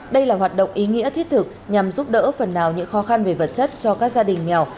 đây là hoạt động ý nghĩa thiết thực nhằm giúp đỡ phần nào những khó khăn về vật chất cho các gia đình nghèo